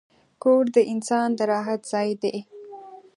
کور د انسان د راحت ځای دی.